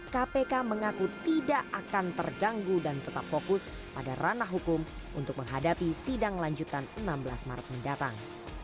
kpk mengaku tidak akan terganggu dan tetap fokus pada ranah hukum untuk menghadapi sidang lanjutan enam belas maret mendatang